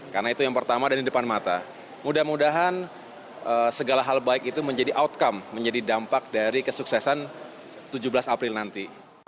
karena itu yang pertama dan di depan mata mudah mudahan segala hal baik itu menjadi outcome menjadi dampak dari kesuksesan tujuh belas april nanti